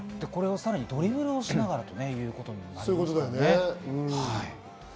さらにドリブルしながらということですもんね。